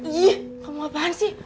ih kamu ngapelin si